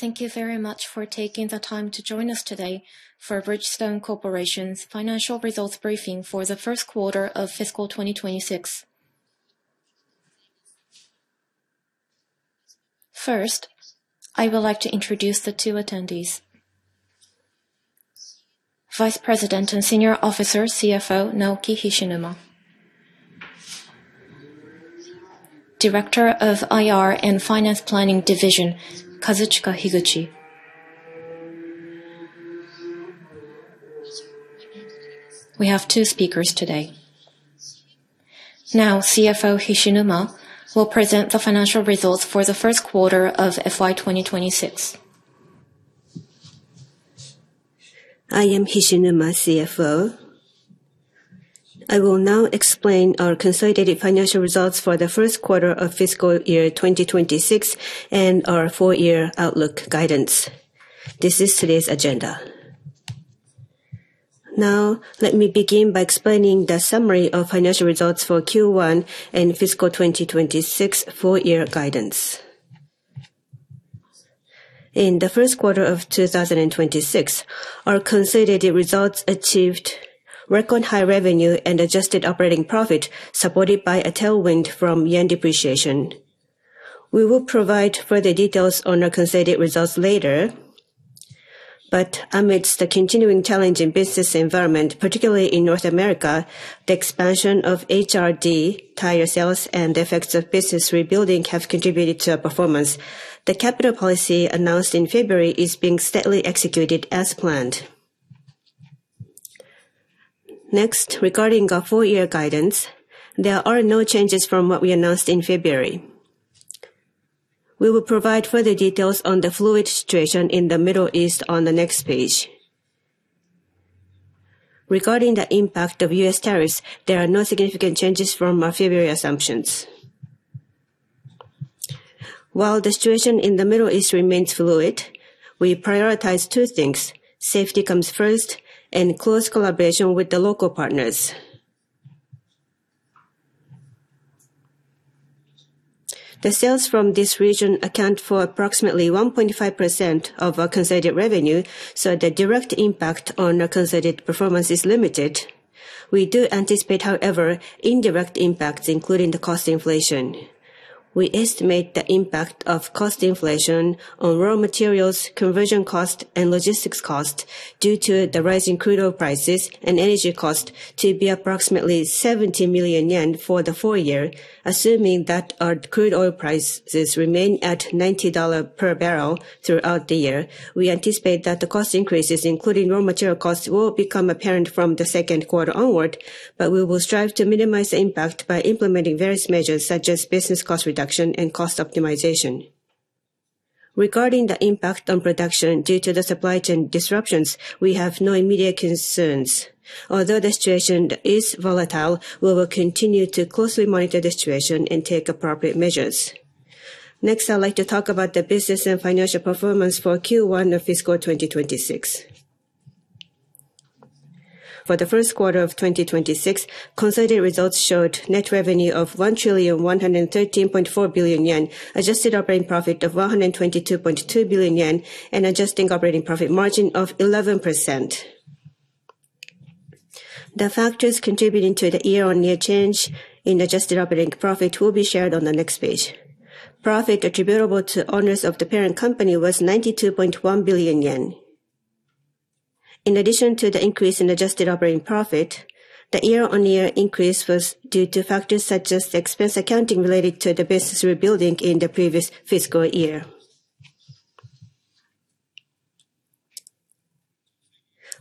Thank you very much for taking the time to join us today for Bridgestone Corporation's Financial Results Briefing for the First Quarter of Fiscal 2026. First, I would like to introduce the two attendees. Vice President and Senior Officer CFO, Naoki Hishinuma. Director of IR and Finance Planning Division, Kazuchika Higuchi. We have two speakers today. Now, CFO Hishinuma will present the financial results for the first quarter of FY 2026. I am Hishinuma, CFO. I will now explain our consolidated financial results for the first quarter of fiscal year 2026, and our full year outlook guidance. This is today's agenda. Now, let me begin by explaining the summary of financial results for Q1, and fiscal 2026 full year guidance. In the first quarter of 2026, our consolidated results achieved record high revenue, and adjusted operating profit, supported by a tailwind from yen depreciation. We will provide further details on our consolidated results later. Amidst the continuing challenging business environment, particularly in North America, the expansion of HRD tire sales, and the effects of business rebuilding have contributed to our performance. The capital policy announced in February is being steadily executed as planned. Next, regarding our full year guidance, there are no changes from what we announced in February. We will provide further details on the fluid situation in the Middle East on the next page. Regarding the impact of U.S. tariffs, there are no significant changes from our February assumptions. While the situation in the Middle East remains fluid, we prioritize two things: safety comes first, and close collaboration with the local partners. The sales from this region account for approximately 1.5% of our consolidated revenue, so the direct impact on our consolidated performance is limited. We do anticipate, however, indirect impacts, including the cost inflation. We estimate the impact of cost inflation on raw materials, conversion cost, and logistics cost due to the rising crude oil prices, and energy cost to be approximately 70 million yen for the full year, assuming that our crude oil prices remain at $90 per barrel throughout the year. We anticipate that the cost increases, including raw material costs, will become apparent from the second quarter onward, but we will strive to minimize the impact by implementing various measures such as business cost reduction, and cost optimization. Regarding the impact on production due to the supply chain disruptions, we have no immediate concerns. Although the situation is volatile, we will continue to closely monitor the situation, and take appropriate measures. Next, I would like to talk about the business, and financial performance for Q1 of fiscal 2026. For the first quarter of 2026, consolidated results showed net revenue of 1,113.4 billion yen, adjusted operating profit of 122.2 billion yen, and adjusting operating profit margin of 11%. The factors contributing to the year on year change in adjusted operating profit will be shared on the next page. Profit attributable to owners of the parent company was 92.1 billion yen. In addition to the increase in adjusted operating profit, the year on year increase was due to factors such as the expense accounting related to the business rebuilding in the previous fiscal year.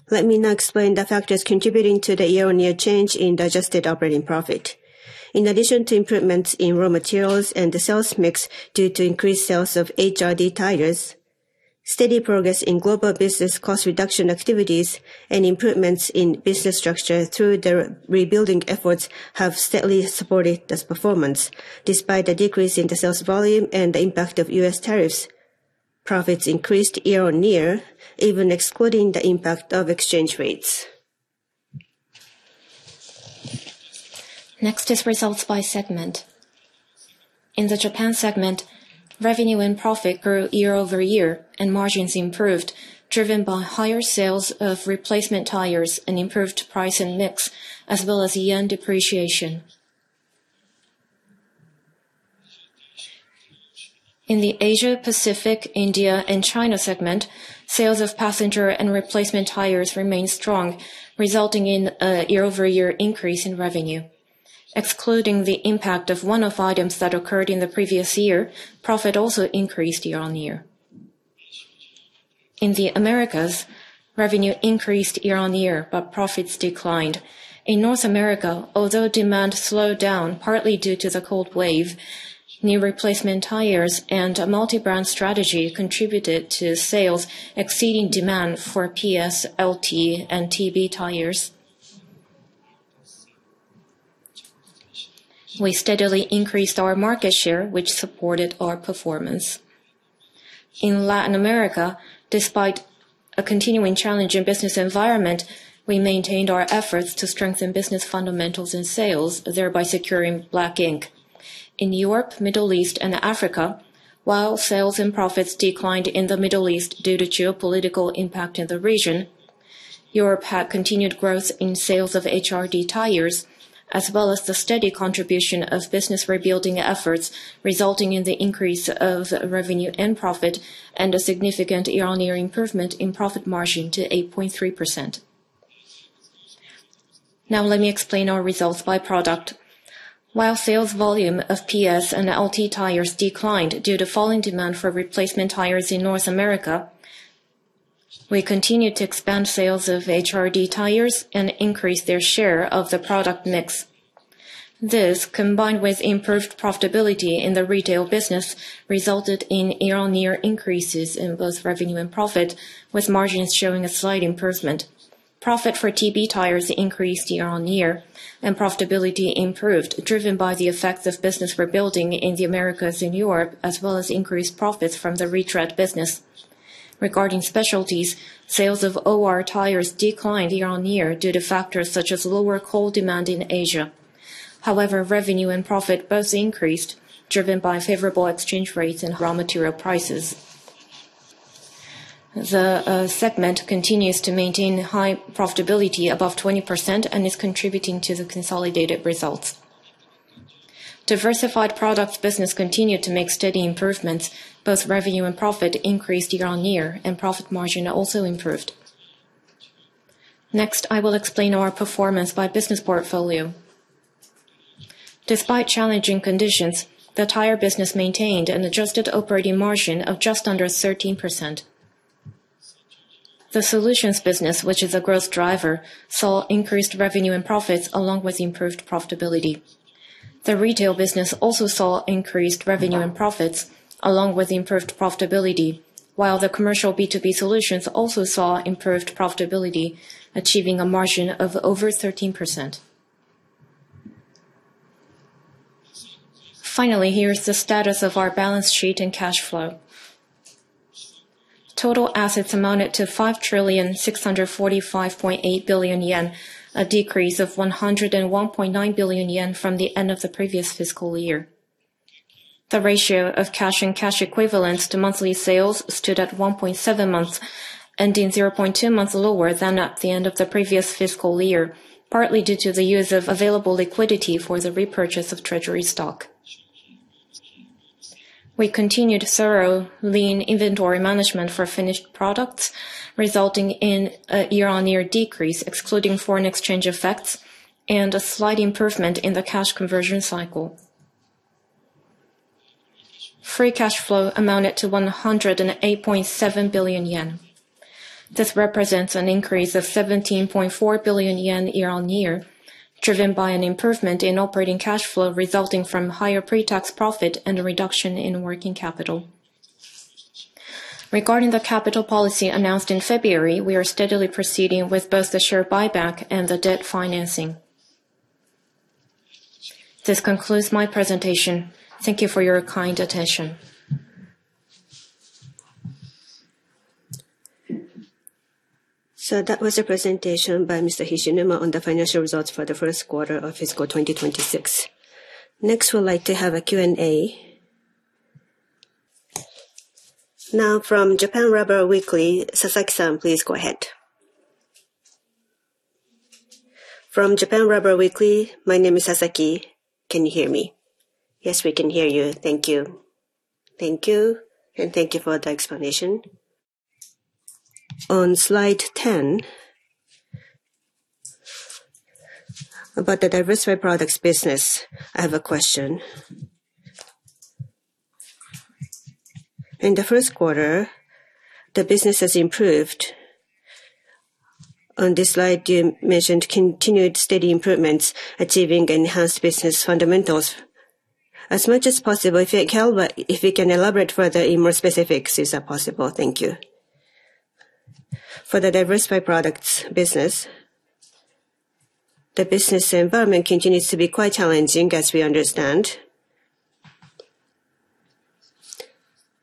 Let me now explain the factors contributing to the year on year change in the adjusted operating profit. In addition to improvements in raw materials, and the sales mix due to increased sales of HRD tires, steady progress in global business cost reduction activities, and improvements in business structure through the rebuilding efforts have steadily supported this performance. Despite the decrease in the sales volume, and the impact of U.S. tariffs, profits increased year on year, even excluding the impact of exchange rates. Next is results by segment. In the Japan segment, revenue and profit grew year-over-year and margins improved, driven by higher sales of replacement tires, and improved price, and mix, as well as yen depreciation. In the Asia, Pacific, India, and China segment, sales of Passenger, and replacement tires remained strong, resulting in a year-over-year increase in revenue. Excluding the impact of one-off items that occurred in the previous year, profit also increased year on year. In the Americas, revenue increased year on year, but profits declined. In North America, although demand slowed down partly due to the cold wave, new replacement tires, and a multi-brand strategy contributed to sales exceeding demand for PS, LT, and TB tires. We steadily increased our market share, which supported our performance. In Latin America, despite a continuing challenge in business environment, we maintained our efforts to strengthen business fundamentals in sales, thereby securing black ink. In Europe, Middle East, and Africa, while sales, and profits declined in the Middle East due to geopolitical impact in the region, Europe had continued growth in sales of HRD tires, as well as the steady contribution of business rebuilding efforts, resulting in the increase of revenue and profit, and a significant year on year improvement in profit margin to 8.3%. Now let me explain our results by product. While sales volume of PS and LT tires declined due to falling demand for replacement tires in North America, we continued to expand sales of HRD tires, and increase their share of the product mix. This, combined with improved profitability in the retail business, resulted in year on year increases in both revenue and profit, with margins showing a slight improvement. Profit for TB tires increased year on year, and profitability improved, driven by the effects of business rebuilding in the Americas and Europe, as well as increased profits from the Retread business. Regarding specialties, sales of OR tires declined year on year due to factors such as lower coal demand in Asia. However, revenue and profit both increased, driven by favorable exchange rates, and raw material prices. The segment continues to maintain high profitability above 20%, and is contributing to the consolidated results. Diversified Products business continued to make steady improvements. Both revenue and profit increased year on year, and profit margin also improved. Next, I will explain our performance by business portfolio. Despite challenging conditions, the Tire Business maintained an adjusted operating margin of just under 13%. The Solutions Business, which is a growth driver, saw increased revenue and profits along with improved profitability. The retail business also saw increased revenue and profits along with improved profitability, while the commercial B2B solutions also saw improved profitability, achieving a margin of over 13%. Finally, here is the status of our balance sheet, and cash flow. Total assets amounted to 5,645.8 billion yen, a decrease of 101.9 billion yen from the end of the previous fiscal year. The ratio of cash and cash equivalents to monthly sales stood at 1.7 months, ending 0.2 months lower than at the end of the previous fiscal year, partly due to the use of available liquidity for the repurchase of treasury stock. We continued thorough lean inventory management for finished products, resulting in a year on year decrease, excluding foreign exchange effects, and a slight improvement in the cash conversion cycle. Free cash flow amounted to 108.7 billion yen. This represents an increase of 17.4 billion yen year on year, driven by an improvement in operating cash flow resulting from higher pretax profit, and a reduction in working capital. Regarding the capital policy announced in February, we are steadily proceeding with both the share buyback, and the debt financing. This concludes my presentation. Thank you for your kind attention. That was a presentation by Mr. Hishinuma on the financial results for the first quarter of fiscal 2026. Next, we'd like to have a Q&A. From Japan Rubber Weekly, Sasaki-san, please go ahead. From Japan Rubber Weekly, my name is Sasaki. Can you hear me? Yes, we can hear you. Thank you. Thank you, and thank you for the explanation. On slide 10, about the diversified products business, I have a question. In the first quarter, the business has improved. On this slide, you mentioned continued steady improvements achieving enhanced business fundamentals. As much as possible, if you can, if you can elaborate further in more specifics is possible. Thank you. For the diversified products business, the business environment continues to be quite challenging as we understand.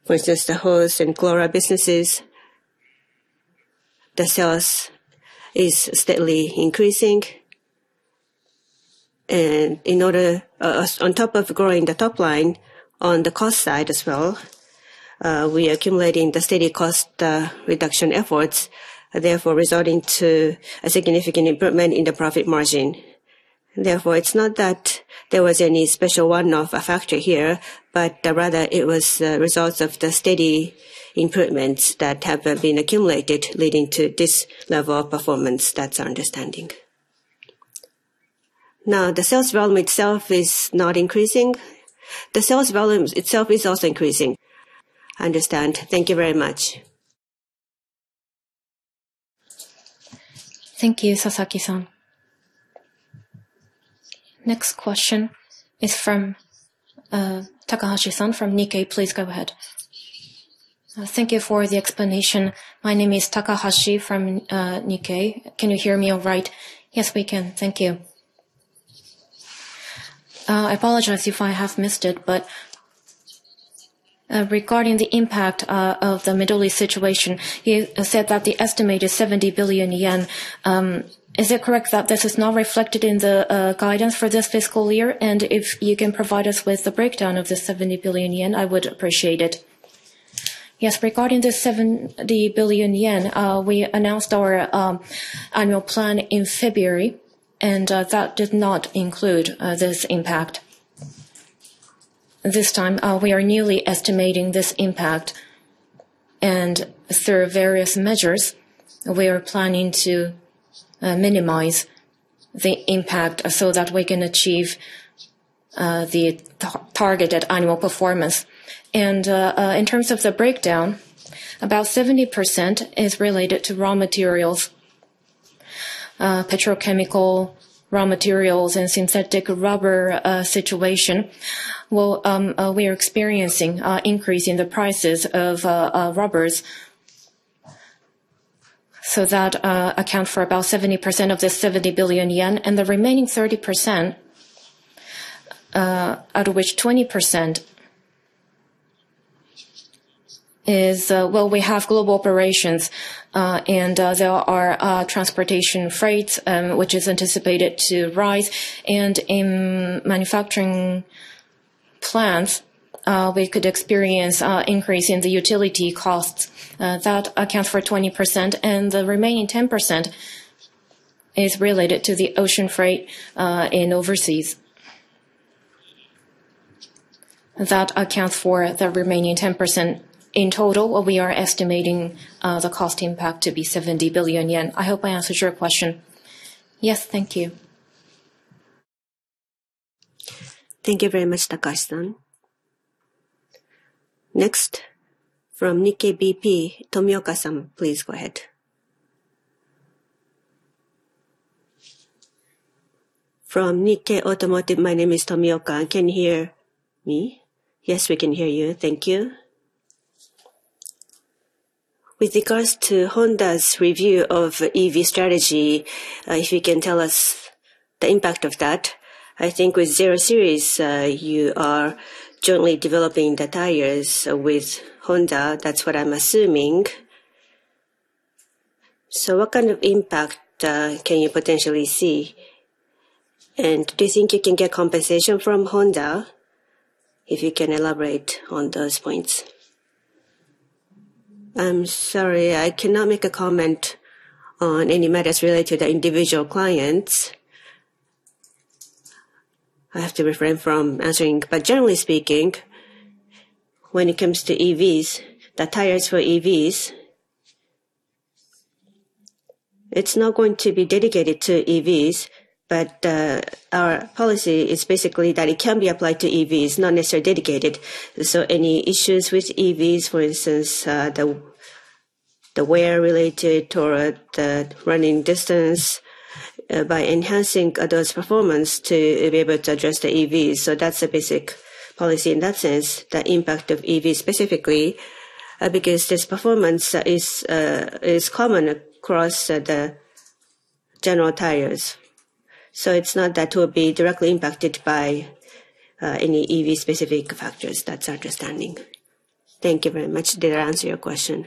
With just the hose, and core businesses, the sales is steadily increasing, and in order, on top of growing the top line on the cost side as well, we are accumulating the steady cost reduction efforts, therefore resulting to a significant improvement in the profit margin. Therefore, it's not that there was any special one-off factor here, but rather it was the results of the steady improvements that have been accumulated leading to this level of performance. That's our understanding. Now, the sales volume itself is not increasing? The sales volume itself is also increasing. I understand. Thank you very much. Thank you, Sasaki-san. Next question is from Takahashi-san from Nikkei. Please go ahead. Thank you for the explanation. My name is Takahashi from Nikkei. Can you hear me all right? Yes, we can. Thank you. I apologize if I have missed it, but regarding the impact of the Middle East situation, you said that the estimate is 70 billion yen. Is it correct that this is not reflected in the guidance for this fiscal year? If you can provide us with the breakdown of the 70 billion yen, I would appreciate it. Yes. Regarding the 70 billion yen, we announced our annual plan in February, and that did not include this impact. This time, we are newly estimating this impact. Through various measures, we are planning to minimize the impact so that we can achieve the targeted annual performance. In terms of the breakdown, about 70% is related to raw materials. Petrochemical raw materials, and synthetic rubber situation. Well, we are experiencing increase in the prices of rubbers. That account for about 70% of the 70 billion yen. The remaining 30%, out of which 20% is, well, we have global operations, and there are transportation freights, which is anticipated to rise. In manufacturing plants, we could experience increase in the utility costs. That account for 20%. The remaining 10% is related to the ocean freight in overseas. That accounts for the remaining 10%. In total, we are estimating the cost impact to be 70 billion yen. I hope I answered your question. Yes. Thank you. Thank you very much, Takashi-san. Next, from Nikkei BP, Tomioka-san, please go ahead. From Nikkei Automotive, my name is Tomioka. Can you hear me? Yes, we can hear you. Thank you. With regards to Honda's review of EV strategy, if you can tell us the impact of that. I think with 0 Series, you are jointly developing the tires with Honda. That's what I'm assuming. What kind of impact can you potentially see? Do you think you can get compensation from Honda? If you can elaborate on those points. I'm sorry, I cannot make a comment on any matters related to individual clients. I have to refrain from answering. Generally speaking, when it comes to EVs, the tires for EVs, it's not going to be dedicated to EVs. Our policy is basically that it can be applied to EVs, not necessarily dedicated. Any issues with EVs, for instance, the wear related, or the running distance, by enhancing those performance to be able to address the EVs. That's the basic policy in that sense, the impact of EV specifically, because this performance is common across the general tires. It's not that will be directly impacted by any EV specific factors. That's our understanding. Thank you very much. Did I answer your question?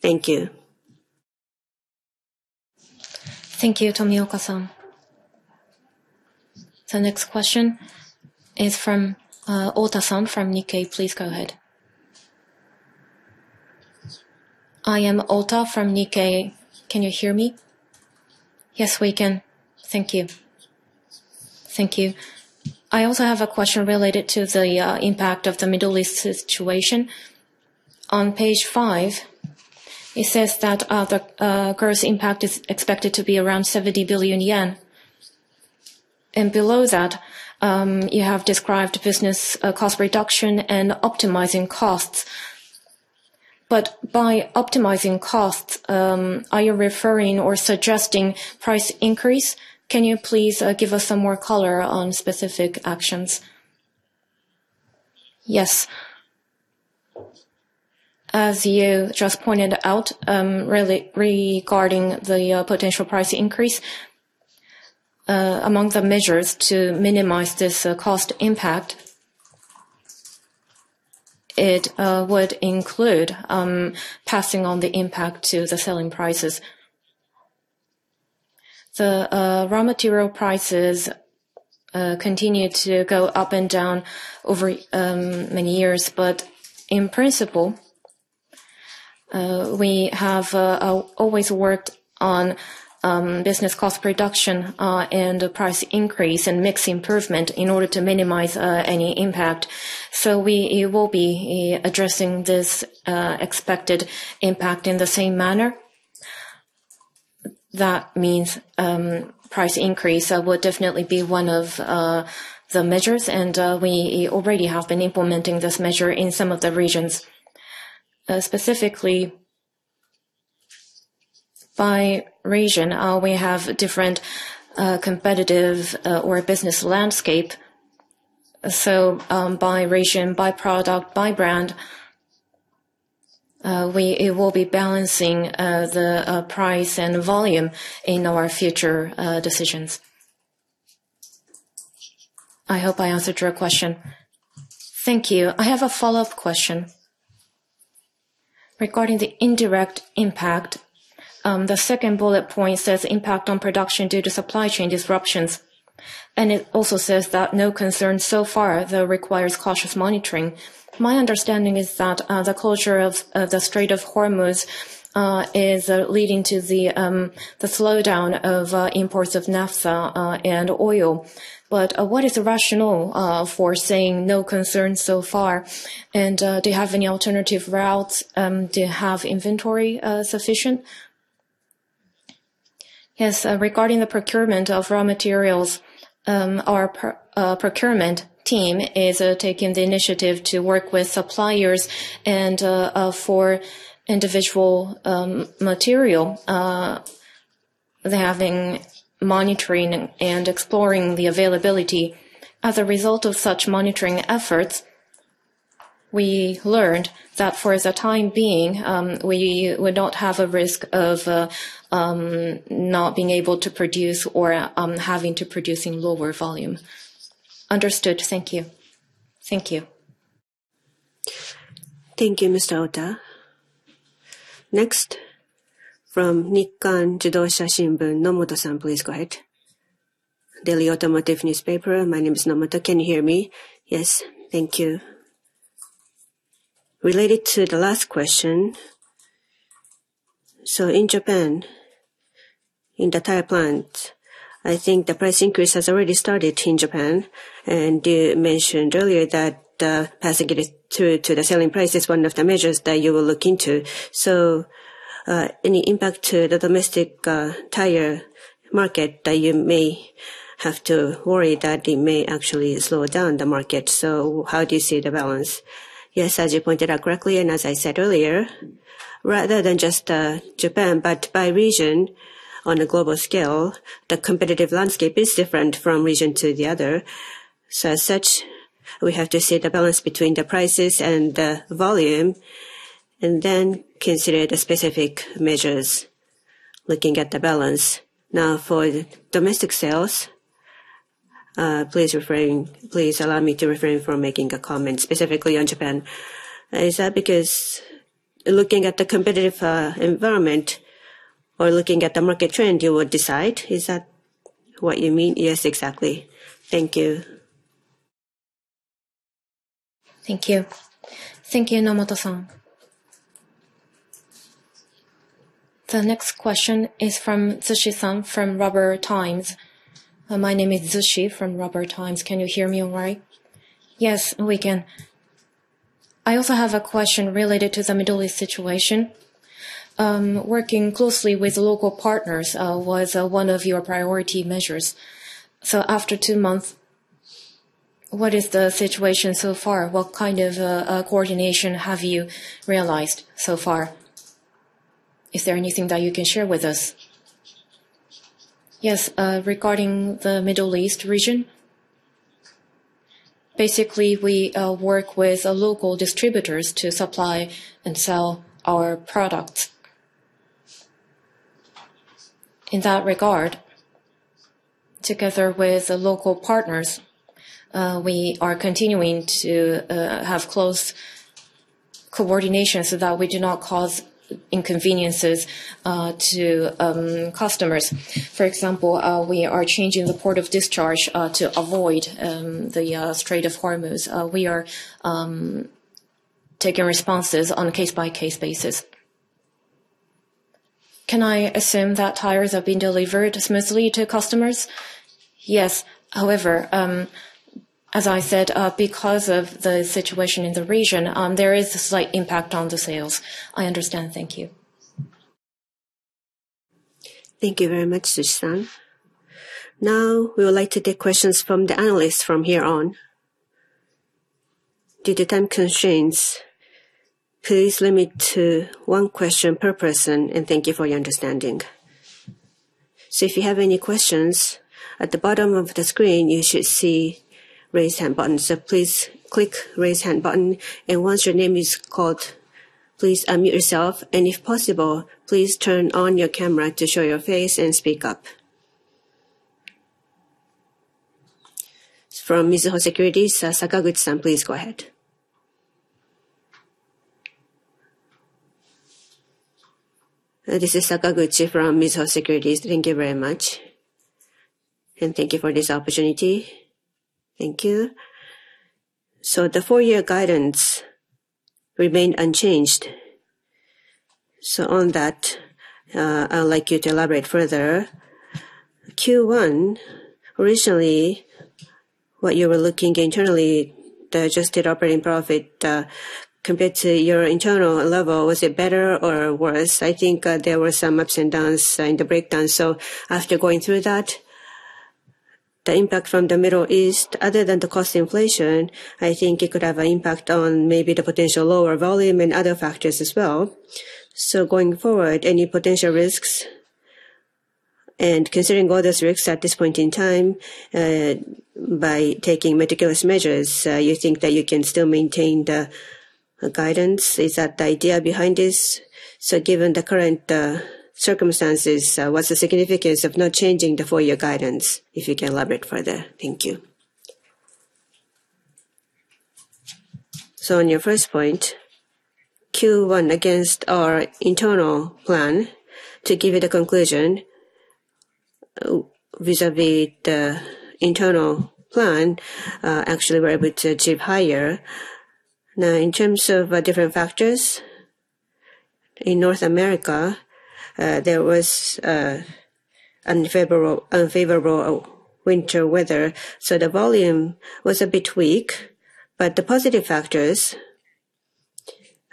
Thank you. Thank you, Tomioka-san. The next question is from Ota-san from Nikkei. Please go ahead. I am Ota from Nikkei. Can you hear me? Yes, we can. Thank you. Thank you. I also have a question related to the impact of the Middle East situation. On page five, it says that the gross impact is expected to be around 70 billion yen. Below that, you have described business cost reduction, and optimizing costs. By optimizing costs, are you referring, or suggesting price increase? Can you please give us some more color on specific actions? Yes. As you just pointed out, really regarding the potential price increase, among the measures to minimize this cost impact, it would include passing on the impact to the selling prices. The raw material prices continue to go up and down over many years. In principle, we have always worked on business cost reduction, and price increase, and mix improvement in order to minimize any impact. We will be addressing this expected impact in the same manner. That means, price increase would definitely be one of the measures. We already have been implementing this measure in some of the regions. Specifically by region, we have different competitive, or business landscape. By region, by product, by brand. It will be balancing the price and volume in our future decisions. I hope I answered your question. Thank you. I have a follow-up question. Regarding the indirect impact, the second bullet point says impact on production due to supply chain disruptions. It also says that no concerns so far that requires cautious monitoring. My understanding is that the closure of the Strait of Hormuz is leading to the slowdown of imports of naphtha, and oil. What is the rationale for saying no concerns so far, and do you have any alternative routes, do you have inventory sufficient? Yes, regarding the procurement of raw materials, our procurement team is taking the initiative to work with suppliers, and for individual material, they're having monitoring, and exploring the availability. As a result of such monitoring efforts, we learned that for the time being, we don't have a risk of not being able to produce, or having to produce in lower volume. Understood. Thank you. Thank you. Thank you, Ms. Ota. Next from Nikkan Jidosha Shimbun. Nomoto-san, please go ahead. The Daily Automotive News. My name is Nomoto. Can you hear me? Yes. Thank you. Related to the last question. In Japan, in the tire plant, I think the price increase has already started in Japan, and you mentioned earlier that passing it through to the selling price is one of the measures that you will look into. Any impact to the domestic tire market that you may have to worry that it may actually slow down the market. How do you see the balance? Yes. As you pointed out correctly, and as I said earlier, rather than just Japan, but by region on a global scale, the competitive landscape is different from region to the other. As such, we have to see the balance between the prices, and the volume, and then consider the specific measures looking at the balance. Now, for domestic sales, please refrain. Please allow me to refrain from making a comment specifically on Japan. Is that because looking at the competitive environment, or looking at the market trend, you will decide? Is that what you mean? Yes, exactly. Thank you. Thank you. Thank you, Nomoto-san. The next question is from Zushi-san from Rubber Times. My name is Zushi from Rubber Times. Can you hear me all right? Yes, we can. I also have a question related to the Middle East situation. Working closely with local partners was one of your priority measures. After two months, what is the situation so far? What kind of coordination have you realized so far? Is there anything that you can share with us? Yes. Regarding the Middle East region, basically we work with local distributors to supply, and sell our products. In that regard, together with the local partners, we are continuing to have close coordination so that we do not cause inconveniences to customers. For example, we are changing the port of discharge to avoid the Strait of Hormuz. We are taking responses on a case-by-case basis. Can I assume that tires are being delivered smoothly to customers? Yes. However, as I said, because of the situation in the region, there is a slight impact on the sales. I understand. Thank you. Thank you very much, Zushi-san. Now, we would like to take questions from the analysts from here on. Due to time constraints, please limit to one question per person, and thank you for your understanding. If you have any questions, at the bottom of the screen you should see Raise Hand button. Please click Raise Hand button, and once your name is called, please unmute yourself, and if possible, please turn on your camera to show your face, and speak up. From Mizuho Securities, Sakaguchi-san, please go ahead. This is Sakaguchi from Mizuho Securities. Thank you very much. Thank you for this opportunity. Thank you. The full year guidance remained unchanged. On that, I'd like you to elaborate further. Q1, originally what you were looking internally, the adjusted operating profit, compared to your internal level, was it better or worse? I think there were some ups and downs in the breakdown. After going through that, the impact from the Middle East, other than the cost inflation, I think it could have an impact on maybe the potential lower volume, and other factors as well, so going forward any potential risks? Considering all those risks at this point in time, by taking meticulous measures, you think that you can still maintain the guidance? Is that the idea behind this? Given the current circumstances, what's the significance of not changing the full year guidance, if you can elaborate further? Thank you. On your first point, Q1 against our internal plan, to give you the conclusion, vis-à-vis the internal plan, actually we're able to achieve higher. In terms of different factors, in North America, there was unfavorable winter weather, the volume was a bit weak. The positive factors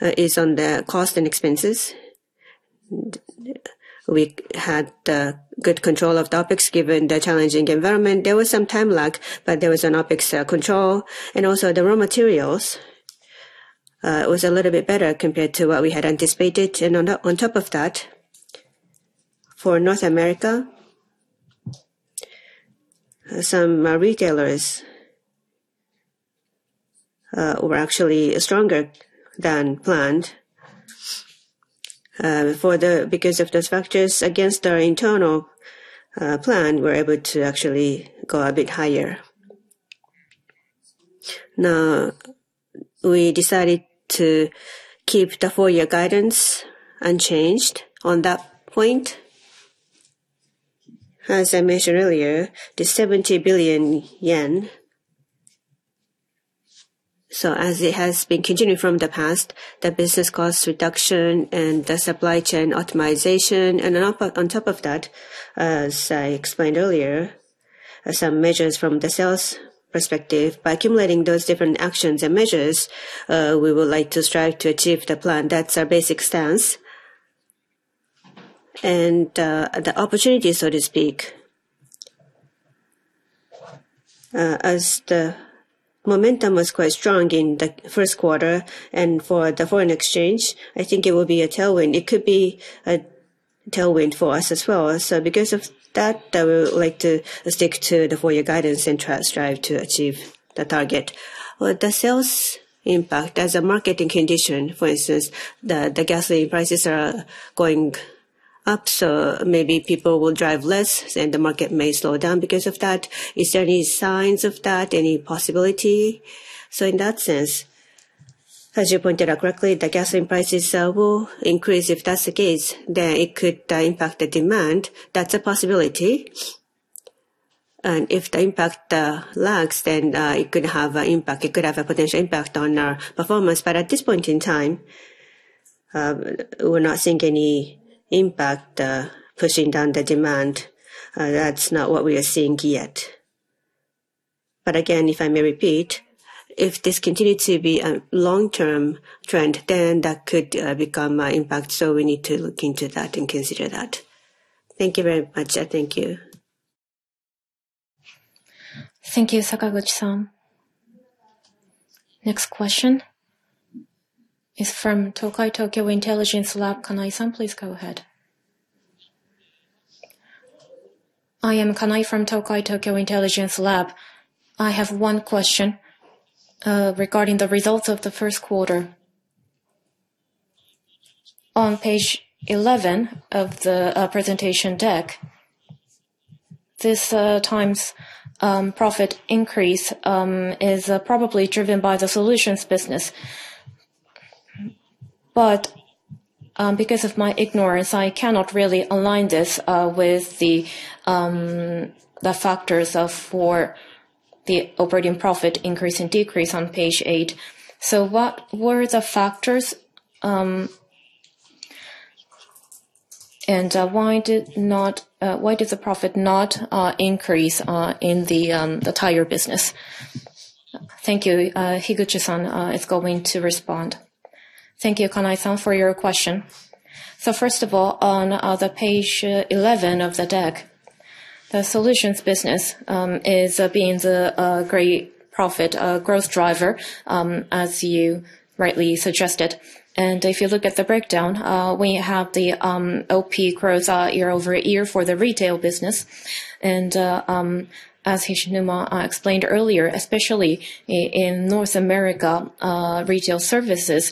is on the cost, and expenses. We had good control of the OpEx given the challenging environment. There was some time lag, there was an OpEx control, and also the raw materials was a little bit better compared to what we had anticipated. On top of that, for North America, some retailers were actually stronger than planned. Because of those factors against our internal plan, we are able to actually go a bit higher. We decided to keep the full year guidance unchanged on that point. As I mentioned earlier, the 70 billion yen. As it has been continuing from the past, the business cost reduction, and the supply chain optimization, and on top of that, as I explained earlier, some measures from the sales perspective. By accumulating those different actions, and measures, we would like to strive to achieve the plan. That's our basic stance. The opportunity so to speak, as the momentum was quite strong in the first quarter, and for the foreign exchange, I think it will be a tailwind. It could be a tailwind for us as well. Because of that, I would like to stick to the full year guidance, and try to strive to achieve the target. The sales impact as a marketing condition, for instance, the gasoline prices are going up, so maybe people will drive less, and the market may slow down because of that. Is there any signs of that? Any possibility? In that sense, as you pointed out correctly, the gasoline prices will increase. If that's the case, then it could impact the demand. That's a possibility. If the impact lags, then it could have an impact. It could have a potential impact on our performance. At this point in time, we're not seeing any impact pushing down the demand. That's not what we are seeing yet. Again, if I may repeat, if this continues to be a long-term trend, then that could become an impact, so we need to look into that, and consider that. Thank you very much. Thank you. Thank you, Sakaguchi-san. Next question is from Tokai Tokyo Intelligence Lab. Kanai-san, please go ahead. I am Kanai from Tokai Tokyo Intelligence Lab. I have one question regarding the results of the first quarter. On page 11 of the presentation deck, this times profit increase is probably driven by the Solutions Business. Because of my ignorance, I cannot really align this with the factors of for the operating profit increase and decrease on page eight. What were the factors, and why did the profit not increase in the Tire Business? Thank you. Higuchi-san is going to respond. Thank you, Kanai-san, for your question. First of all, on the page 11 of the deck, the solutions business is being a great profit growth driver as you rightly suggested. If you look at the breakdown, we have the OP growth year-over-year for the retail business. As Hishinuma explained earlier, especially in North America, retail services,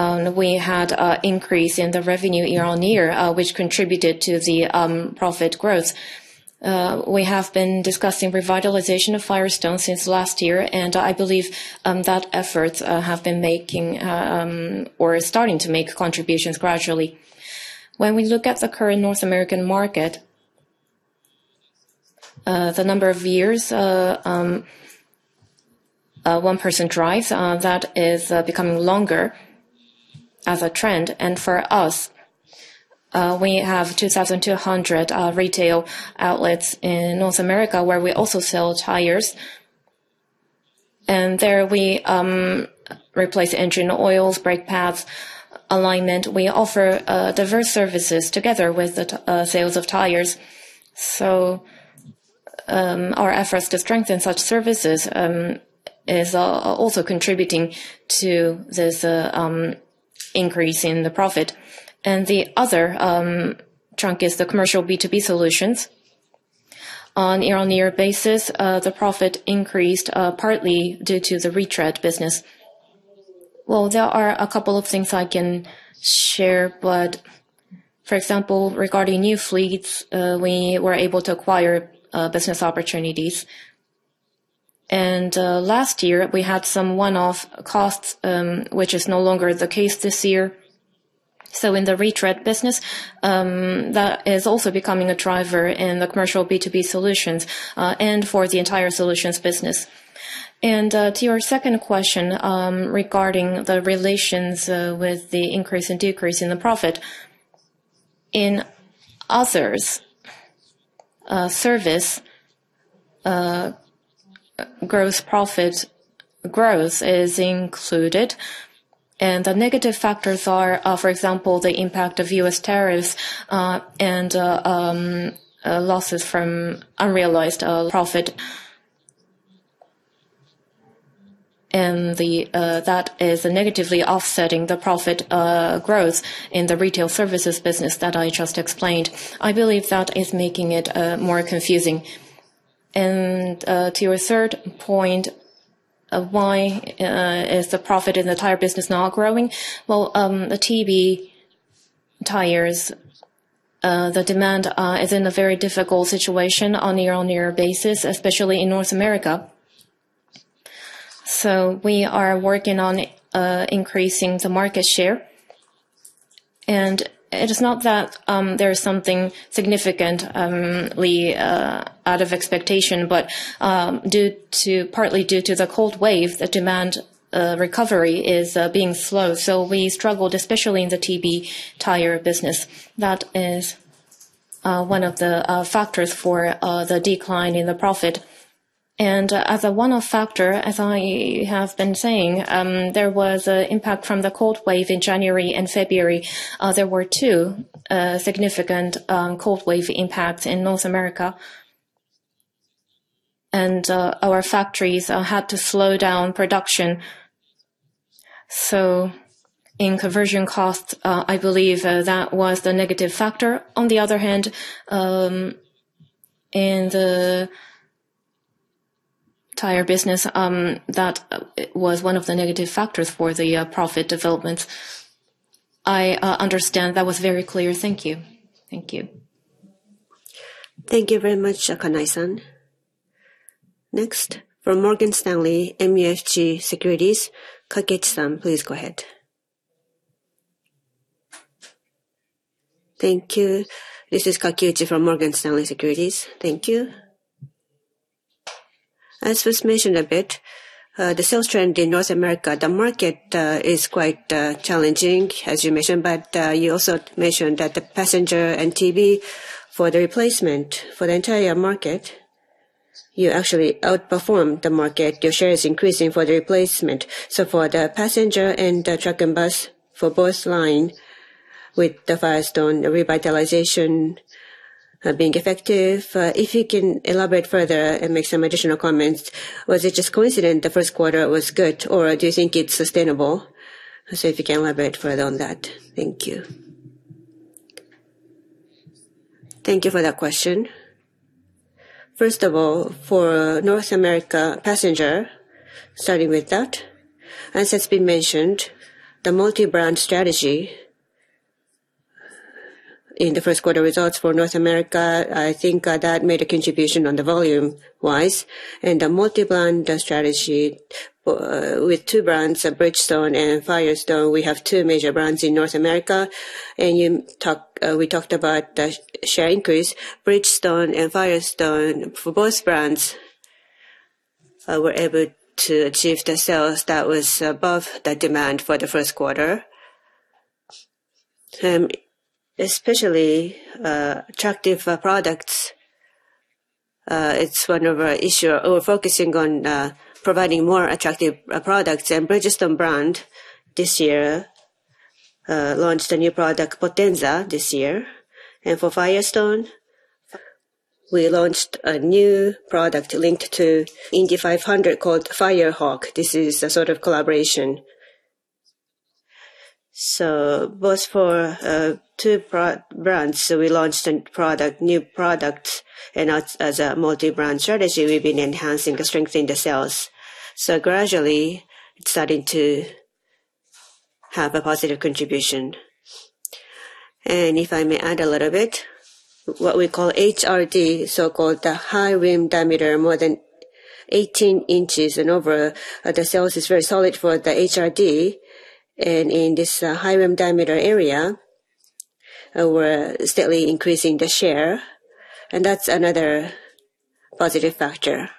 we had an increase in the revenue year on year, which contributed to the profit growth. We have been discussing revitalization of Firestone since last year, and I believe that efforts have been making, or are starting to make contributions gradually. When we look at the current North American market, the number of years one person drives that is becoming longer as a trend. For us, we have 2,200 retail outlets in North America where we also sell tires. There we replace engine oils, brake pads, alignment. We offer diverse services together with the sales of tires. Our efforts to strengthen such services is also contributing to this increase in the profit. The other chunk is the commercial B2B solutions. On year on year basis, the profit increased partly due to the Retread business. There are a couple of things I can share, but for example, regarding new fleets, we were able to acquire business opportunities. Last year we had some one-off costs, which is no longer the case this year. In the Retread business, that is also becoming a driver in the commercial B2B solutions, and for the entire solutions business. To your second question, regarding the relations, with the increase and decrease in the profit. In others, service, gross profit growth is included, and the negative factors are, for example, the impact of U.S. tariffs, and losses from unrealized profit. That is negatively offsetting the profit growth in the retail services business that I just explained. I believe that is making it more confusing. To your third point of why is the profit in the tire business not growing? Well, the TB tires, the demand is in a very difficult situation on year on year basis, especially in North America. We are working on increasing the market share. It is not that there is something significantly out of expectation, but partly due to the cold wave, the demand recovery is being slow. We struggled, especially in the TB tire business. That is one of the factors for the decline in the profit. As a one-off factor, as I have been saying, there was a impact from the cold wave in January and February. There were two significant cold wave impacts in North America. Our factories had to slow down production. In conversion costs, I believe that was the negative factor. On the other hand, in the tire business, that it was one of the negative factors for the profit development. I understand that was very clear. Thank you. Thank you. Thank you very much, Kanai-san. Next, from Morgan Stanley MUFG Securities, Kakiuchi-san, please go ahead. Thank you. This is Kakiuchi from Morgan Stanley Securities. Thank you. As was mentioned a bit, the sales trend in North America, the market, is quite challenging as you mentioned, but you also mentioned that the Passenger, and TB for the replacement for the entire market, you actually outperformed the market. Your share is increasing for the replacement. For the Passenger, and the truck, and bus for both line with the Firestone revitalization, being effective. If you can elaborate further, and make some additional comments. Was it just coincident the first quarter was good, or do you think it's sustainable? If you can elaborate further on that. Thank you. Thank you for that question. First of all, for North America Passenger, starting with that, as has been mentioned, the multi-brand strategy in the first quarter results for North America, I think, that made a contribution on the volume-wise. The multi-brand strategy with two brands, Bridgestone and Firestone, we have two major brands in North America. You we talked about the share increase. Bridgestone and Firestone, for both brands, were able to achieve the sales that was above the demand for the first quarter. Especially, attractive products, it's one of our issue. We're focusing on providing more attractive products. Bridgestone brand this year, launched a new product, Potenza, this year. For Firestone, we launched a new product linked to Indy 500 called Firehawk. This is a sort of collaboration. Both for two brands, we launched a new product, and as a multi-brand strategy, we've been enhancing, and strengthening the sales. Gradually it's starting to have a positive contribution. And if I may add a little bit, what we call HRD, so-called the high rim diameter, more than 18 in and over. The sales is very solid for the HRD, and in this high rim diameter area, we're steadily increasing the share, and that's another positive factor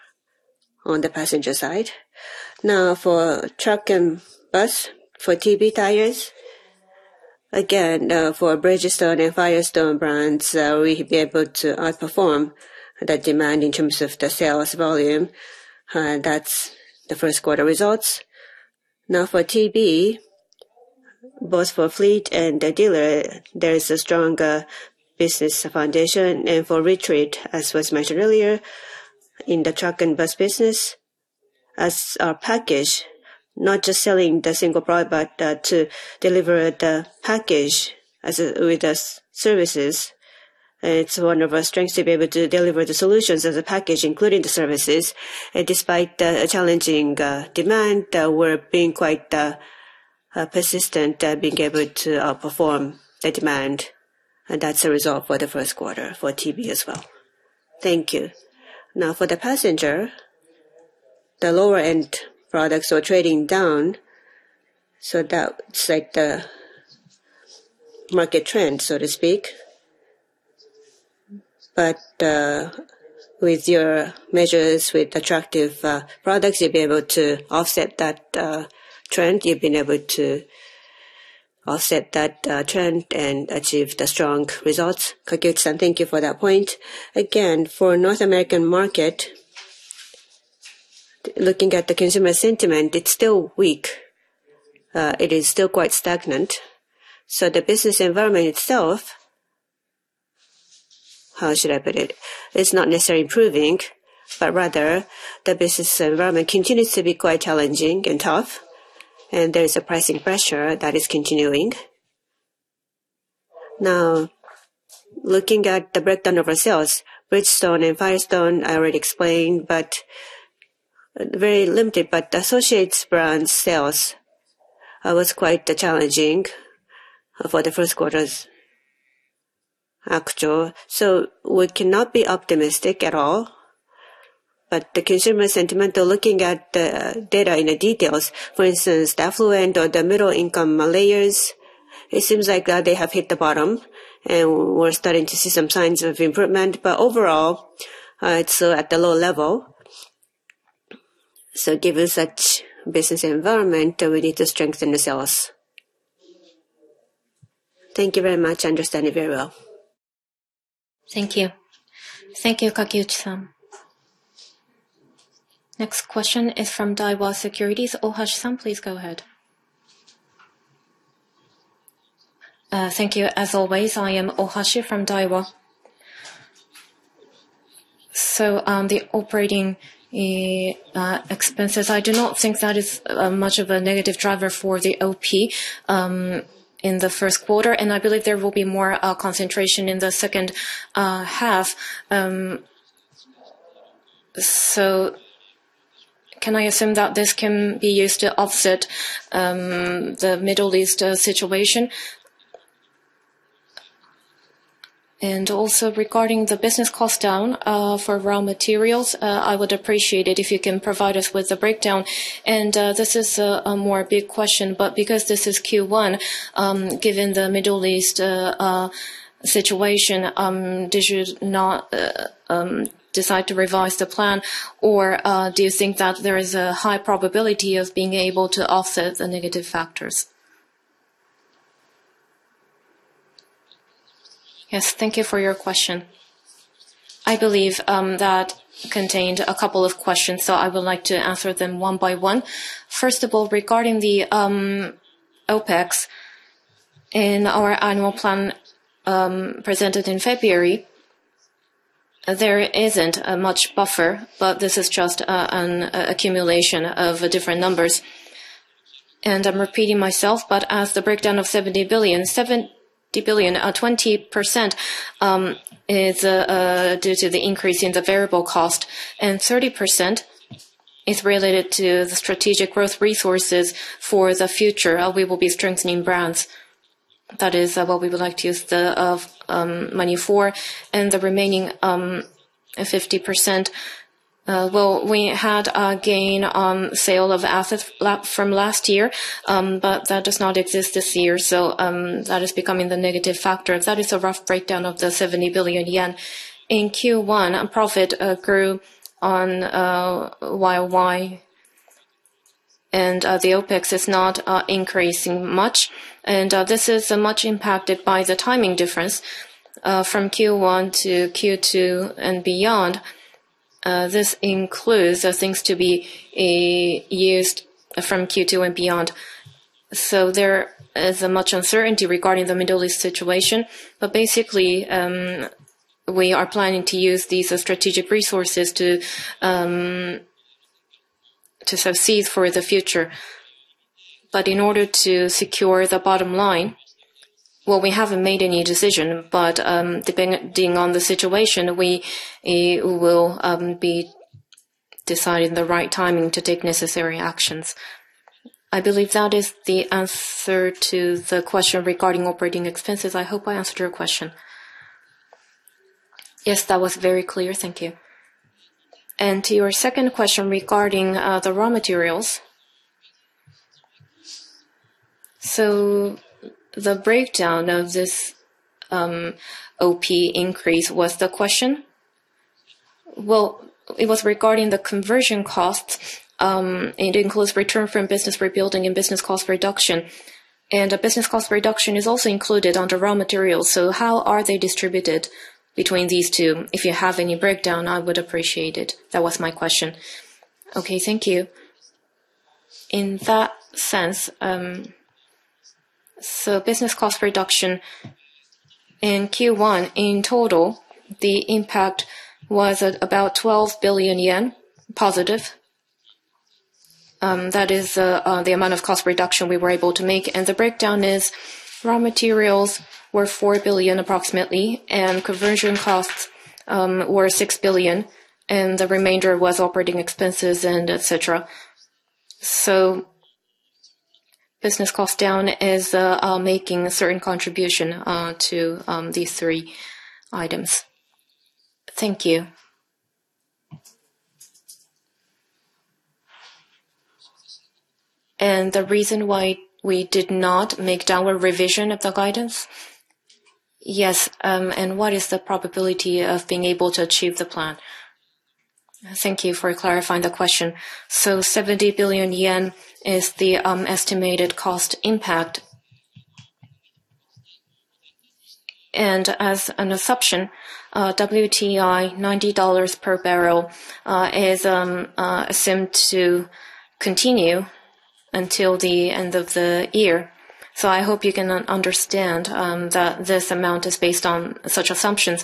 on the Passenger side. Now for Truck and Bus, for TB tires, again, for Bridgestone and Firestone brands, we've be able to outperform the demand in terms of the sales volume. That's the first quarter results. Now for TB Both for fleet, and the dealer, there is a strong business foundation. For Retread, as was mentioned earlier, in the Truck and Bus business, as a package, not just selling the single product, but to deliver the package with the services. It's one of our strengths to be able to deliver the solutions as a package, including the services. Despite the challenging demand, we're being quite persistent, being able to outperform the demand. That's the result for the first quarter for TB as well. Thank you. For the Passenger, the lower-end products are trading down, so that's like the market trend, so to speak. With your measures with attractive products, you'll be able to offset that trend. You've been able to offset that trend, and achieve the strong results. Kakiuchi-san, thank you for that point. For North American market, looking at the consumer sentiment, it's still weak. It is still quite stagnant. The business environment itself, how should I put it? It's not necessarily improving, but rather the business environment continues to be quite challenging and tough, and there is a pricing pressure that is continuing. Looking at the breakdown of our sales, Bridgestone and Firestone, I already explained, but very limited. Associates brand sales was quite challenging for the first quarter's actual. We cannot be optimistic at all. The consumer sentiment, looking at the data in the details, for instance, the affluent or the middle income layers, it seems like they have hit the bottom, and we're starting to see some signs of improvement. Overall, it's at a low level. Given such business environment, we need to strengthen the sales. Thank you very much. I understand it very well. Thank you. Thank you, Kakiuchi-san. Next question is from Daiwa Securities. Ohashi-san, please go ahead. Thank you as always. I am Ohashi from Daiwa. The operating expenses, I do not think that is much of a negative driver for the OP in the first quarter, and I believe there will be more concentration in the second half. Can I assume that this can be used to offset the Middle East situation? Regarding the business cost down for raw materials, I would appreciate it if you can provide us with the breakdown. This is a more big question, but because this is Q1, given the Middle East situation, did you not decide to revise the plan or do you think that there is a high probability of being able to offset the negative factors? Yes. Thank you for your question. I believe that contained a couple of questions, so I would like to answer them one by one. First of all, regarding the OpEx in our annual plan, presented in February, there isn't a much buffer, but this is just an accumulation of different numbers. I'm repeating myself, but as the breakdown of 70 billion, 20% is due to the increase in the variable cost, and 30% is related to the strategic growth resources for the future. We will be strengthening brands. That is what we would like to use the money for. The remaining 50%, we had a gain on sale of assets from last year, but that does not exist this year. That is becoming the negative factor. That is a rough breakdown of the 70 billion yen. In Q1, profit grew on YoY, and the OpEx is not increasing much. This is much impacted by the timing difference from Q1 to Q2, and beyond. This includes things to be used from Q2, and beyond. There is much uncertainty regarding the Middle East situation. Basically, we are planning to use these strategic resources to succeed for the future. In order to secure the bottom line. We haven't made any decision, but depending on the situation, we will be deciding the right timing to take necessary actions. I believe that is the answer to the question regarding operating expenses. I hope I answered your question. Yes, that was very clear. Thank you. To your second question regarding the raw materials. The breakdown of this OP increase was the question? Well, it was regarding the conversion costs. It includes return from business rebuilding, and business cost reduction. Business cost reduction is also included under raw materials. How are they distributed between these two? If you have any breakdown, I would appreciate it. That was my question. Okay, thank you. In that sense, business cost reduction in Q1 in total, the impact was at about +12 billion yen. That is the amount of cost reduction we were able to make. The breakdown is raw materials were 4 billion approximately, conversion costs were 6 billion, and the remainder was operating expenses, and et cetera. Business cost down is making a certain contribution to these three items. Thank you. The reason why we did not make downward revision of the guidance? Yes, what is the probability of being able to achieve the plan? Thank you for clarifying the question. 70 billion yen is the estimated cost impact. As an assumption, WTI $90 per barrel is assumed to continue until the end of the year. I hope you can understand that this amount is based on such assumptions.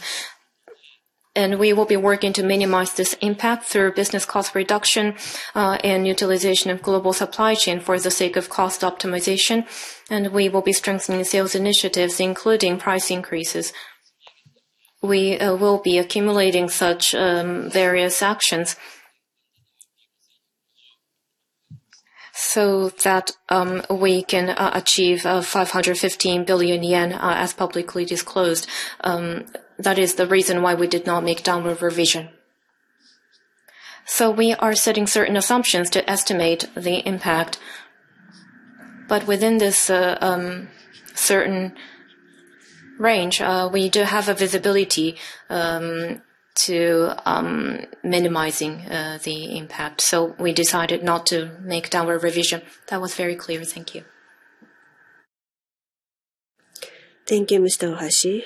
We will be working to minimize this impact through business cost reduction, and utilization of global supply chain for the sake of cost optimization. We will be strengthening sales initiatives, including price increases. We will be accumulating such various actions, so that we can achieve 515 billion yen as publicly disclosed. That is the reason why we did not make downward revision. We are setting certain assumptions to estimate the impact. Within this certain range, we do have a visibility to minimizing the impact. We decided not to make downward revision. That was very clear. Thank you. Thank you, Mr. Ohashi.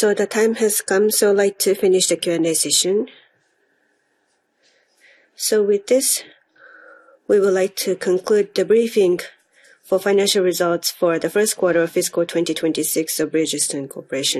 The time has come, I'd like to finish the Q&A session. With this, we would like to conclude the briefing for financial results for the first quarter of fiscal 2026 of Bridgestone Corporation.